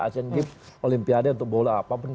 asian games olimpiade untuk bola apapun